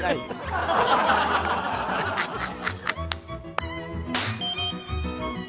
ハハハハ！